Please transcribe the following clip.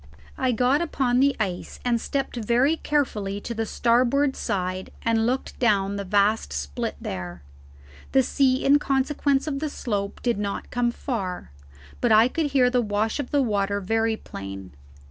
I got upon the ice and stepped very carefully to the starboard side and looked down the vast split there. The sea in consequence of the slope did not come so far, but I could hear the wash of the water very plain.